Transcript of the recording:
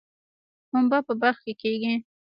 پنبه په بلخ کې کیږي